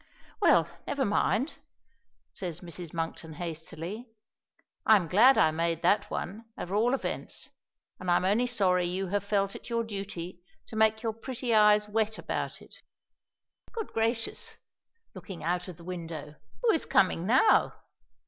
"Well, never mind," says Mrs. Monkton hastily. "I'm glad I made that one, at all events; and I'm only sorry you have felt it your duty to make your pretty eyes wet about it Good gracious!" looking put of the window, "who is coming now?